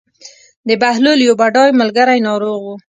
د بهلول یو بډای ملګری ناروغ و.